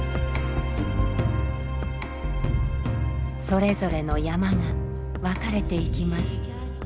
それぞれのヤマが別れていきます。